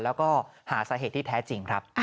แล้วก็หาสาเหตุที่แท้จริงครับ